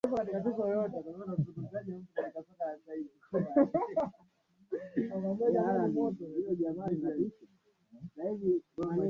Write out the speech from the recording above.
katiba mpya inasema vizuri kwamba eh kuna ile